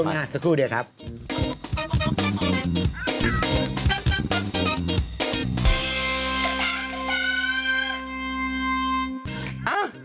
ตั้งตั้งตั้งตั้ง